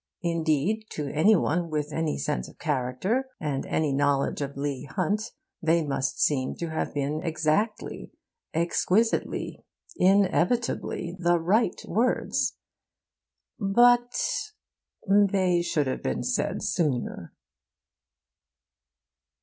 Indeed, to any one with any sense of character and any knowledge of Leigh Hunt, they must seem to have been exactly, exquisitely, inevitably the right words. But they should have been said sooner.